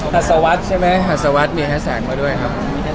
ฮัดสวัสใช่ไหมฮัดสวัสมีแฮสแท็กพอด้วยครับ